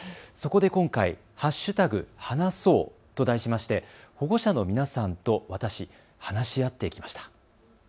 そこで今回、＃話そうと題しまして保護者の皆さんと私話し合ってきました。